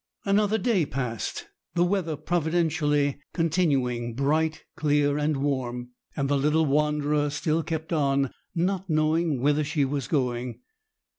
Another day passed, the weather providentially continuing bright, clear, and warm, and the little wanderer still kept on, not knowing whither she was going.